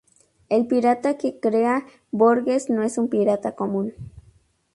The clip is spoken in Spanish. El pirata que crea Borges no es un pirata común.